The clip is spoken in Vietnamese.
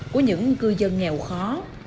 của những cư dân nghèo khó